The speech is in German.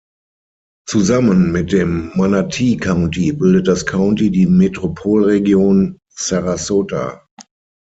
Zusammen mit dem Manatee County bildet das County die Metropolregion Sarasota.